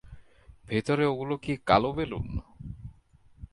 ভেতরে ওগুলো কি কালো বেলুন?